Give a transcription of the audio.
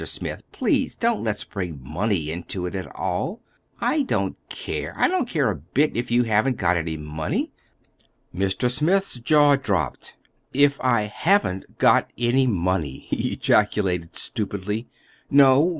Smith, please, don't let's bring money into it at all. I don't care—I don't care a bit if you haven't got any money." Mr. Smith's jaw dropped. "If I haven't got any money!" he ejaculated stupidly. "No!